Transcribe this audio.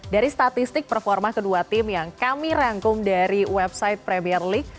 dari statistik performa kedua tim yang kami rangkum dari website premier league